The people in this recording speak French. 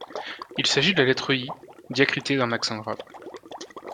Il s’agit de la lettre I diacritée d'un accent grave.